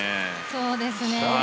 そうですね。